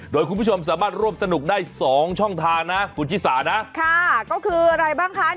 โดยคุณผู้ชมสามารถร่วมสนุกได้สองช่องทางนะคุณชิสานะค่ะก็คืออะไรบ้างคะ